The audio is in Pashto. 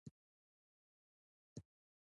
قلم ولې پیاوړی دی؟